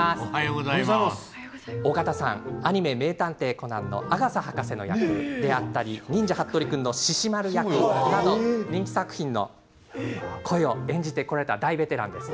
緒方さんはアニメ「名探偵コナン」阿笠博士役だったり「忍者ハットリくん」の獅子丸役など人気作品の声を演じてこられた大ベテランです。